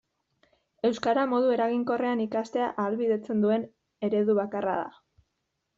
Euskara modu eraginkorrean ikastea ahalbidetzen duen eredu bakarra da.